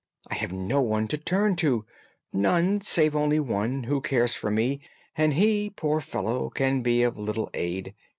I have no one to turn to—none, save only one, who cares for me, and he, poor fellow, can be of little aid.